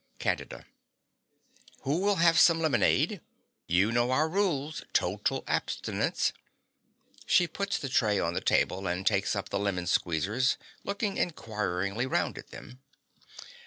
CANDIDA. Who will have some lemonade? You know our rules: total abstinence. (She puts the tray on the table, and takes up the lemon squeezers, looking enquiringly round at them.)